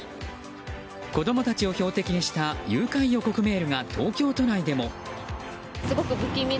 子供たちを標的にした誘拐予告メールが東京都内でも。